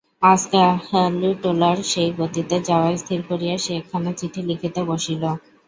আজ কলুটোলার সেই গতিতে যাওয়া স্থির করিয়া সে একখানা চিঠি লিখিতে বসিল।